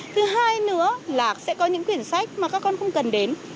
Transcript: thứ hai nữa là sẽ có những quyển sách mà các con không cần đến